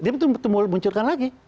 dia betul betul munculkan lagi